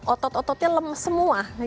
otot ototnya lem semua